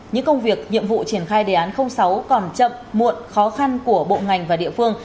những công việc nhiệm vụ triển khai đề án sáu còn chậm muộn khó khăn của bộ ngành và địa phương